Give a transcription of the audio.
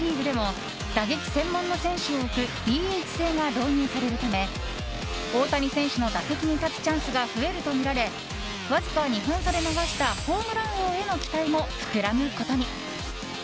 でも打撃専門の選手を置くＤＨ制が導入されるため大谷選手の打席に立つチャンスが増えるとみられわずか２本差で逃したホームラン王への期待も膨らむことに。